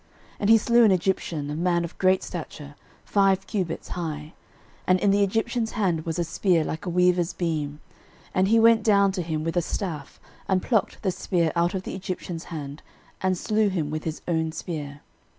13:011:023 And he slew an Egyptian, a man of great stature, five cubits high; and in the Egyptian's hand was a spear like a weaver's beam; and he went down to him with a staff, and plucked the spear out of the Egyptian's hand, and slew him with his own spear.